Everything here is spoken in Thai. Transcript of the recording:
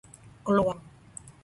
กลวง